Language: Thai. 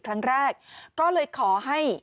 ครั้งแรกก็เลยขอให้